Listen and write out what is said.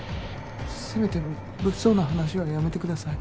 せめて物騒な話はやめてください。